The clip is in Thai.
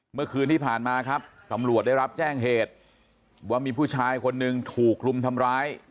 เมื่อคืนที่ผ่านมาครับตำรวจได้รับแจ้งเหตุว่ามีผู้ชายคนหนึ่งถูกรุมทำร้าย